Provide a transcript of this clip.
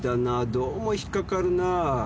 どうも引っかかるなあ。